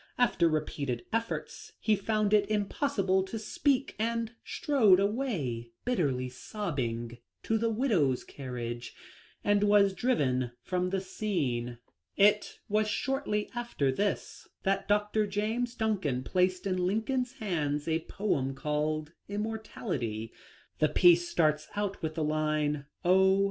After repeated efforts he found it impossible to speak, and strode away, bit terly sobbing, to the widow's carriage and was driven from the scene." It was shortly after this that Dr. Jason Duncan placed in Lincoln's hands a poem called " Immor tality." The piece starts out with the line, " Oh